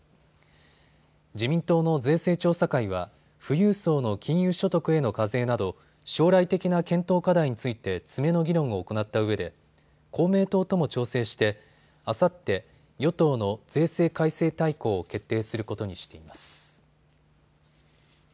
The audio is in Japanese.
自民党の税制調査会は富裕層の金融所得への課税など将来的な検討課題について詰めの議論を行ったうえで公明党とも調整してあさって与党の税制改正大綱を決定することにしています。